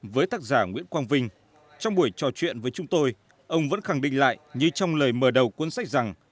với tác giả nguyễn quang vinh trong buổi trò chuyện với chúng tôi ông vẫn khẳng định lại như trong lời mở đầu cuốn sách rằng